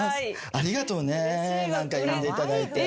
ありがとうね呼んでいただいて。